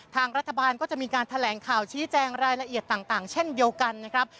ทางรัฐบาลก็จะมีการแถลงข่าวชี้แจงรายละเอียดต่างเช่นเดียวกันนะครับ